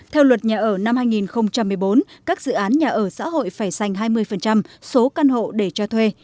theo luật nhà ở năm hai nghìn một mươi bốn các dự án nhà ở xã hội phải sành hai mươi số căn hộ để cho thuê